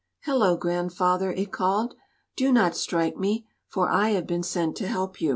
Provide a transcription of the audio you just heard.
"Hello, Grandfather," it called, "do not strike me, for I have been sent to help you."